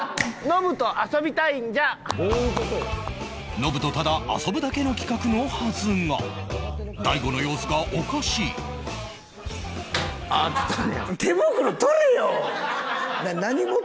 ノブとただ遊ぶだけの企画のはずが大悟の様子がおかしいあっちょっと。